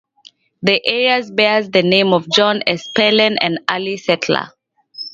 The area bears the name of John Esplen, an early settler.